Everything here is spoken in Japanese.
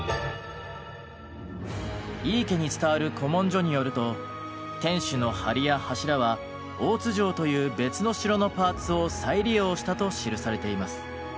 井伊家に伝わる古文書によると天守の梁や柱は大津城という別の城のパーツを再利用したと記されています。